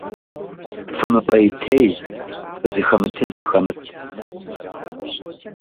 ФымыпӀейтей, фызыхэмытын фыхэмыт.